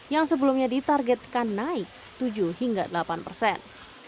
yang sebelumnya ditargetkan naik tujuh hingga delapan persen